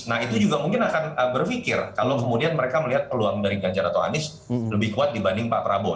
nah itu juga mungkin akan berpikir kalau kemudian mereka melihat peluang dari ganjar atau anies lebih kuat dibanding pak prabowo